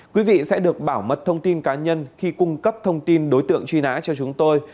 quý vị sẽ được bảo mật thông tin cá nhân khi cung cấp thông tin đối tượng truy nã cho chúng tôi